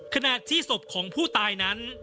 ขณะที่ศพของผู้ตายนั้น